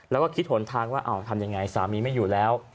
แล้วก็คิดหนทางว่าทำยังไงสามีไม่อยู่แล้ว